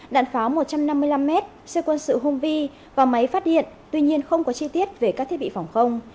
đạn pháo một trăm năm mươi năm m xe quân sự home vi và máy phát điện tuy nhiên không có chi tiết về các thiết bị phòng không